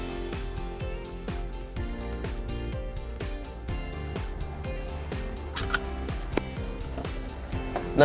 dan mengunduh rutenya terlebih dahulu saat tersambung dengan internet